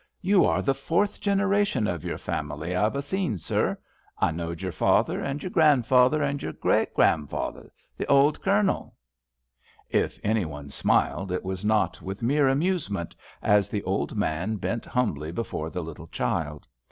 You are the fourth generation of your fam'ly I've a seen. Sir. I knowed your father, and your grandfather, and your great grandfather, th' old Cournel." If anyone smiled, it was not with mere amusement, as the old man bent humbly before the little child.